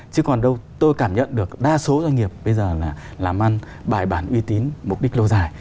chứ còn đâu tôi cảm nhận được đa số doanh nghiệp bây giờ là làm ăn bài bản uy tín mục đích lâu dài